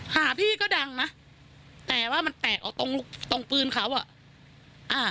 หาพี่ก็ดังนะแต่ว่ามันแตกออกตรงตรงปืนเขาอ่ะอ่า